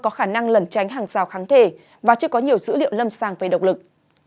có khả năng lẩn tránh hàng rào kháng thể và chưa có nhiều dữ liệu lâm sàng về động lực